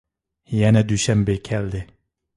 يەنە دۈشەنبە كەلدى.